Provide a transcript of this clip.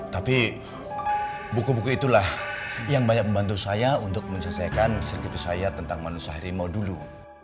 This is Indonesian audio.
tapi buku buku itulah yang banyak membantu saya untuk menyelesaikan sertif saya tentang manusia harimau dulu